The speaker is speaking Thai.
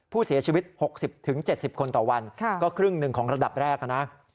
ผู้เสียชีวิต๖๐๗๐คนต่อวันก็ครึ่งหนึ่งของระดับแรกนะ